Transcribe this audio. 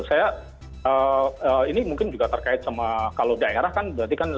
saya ini mungkin juga terkait sama kalau daerah kan berarti kan